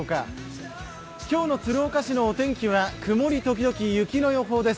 今日の鶴岡市のお天気は曇り時々雪です。